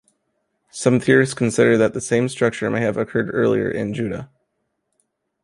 Some theorists consider that the same structure may have occurred earlier in Judah.